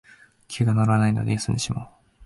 気が乗らないので休んでしまおう